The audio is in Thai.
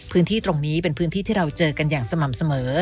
พื้นที่ตรงนี้เป็นพื้นที่ที่เราเจอกันอย่างสม่ำเสมอ